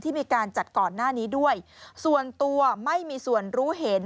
มีการจัดก่อนหน้านี้ด้วยส่วนตัวไม่มีส่วนรู้เห็น